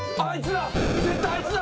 絶対あいつだ。